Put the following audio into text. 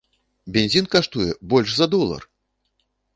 Бензін каштуе больш за долар!